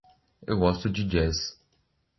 Eu gosto de jazz.